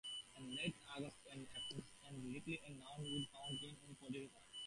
In late August, it appeared likely Nano would found a new political party.